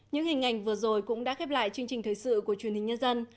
những hình ảnh vừa rồi cũng đã khép lại chương trình thời sự của truyền hình nhân dân